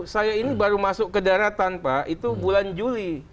saya ini baru masuk ke daratan pak itu bulan juli